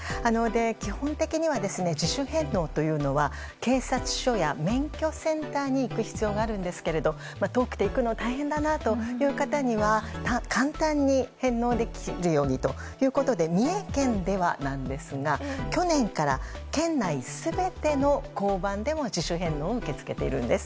基本的には自主返納というのは警察署や免許センターに行く必要があるんですが、遠くて行くの大変だなという方には簡単に返納できるようにということで三重県ではなんですが去年から県内全ての交番でも自主返納を受け付けているんです。